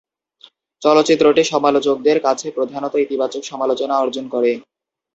চলচ্চিত্রটি সমালোচকদের থেকে প্রধানত ইতিবাচক সমালোচনা অর্জন করে।